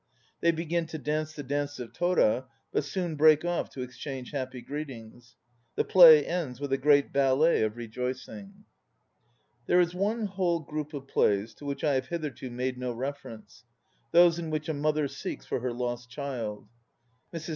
They begin to dance the "Dance of Tora," but soon break off to exchange happy greetings. The plays ends with a great ballet of rejoicing. There is one whole group of plays to which I have hitherto made no reference: those in which a mother seeks for her lost child. Mrs.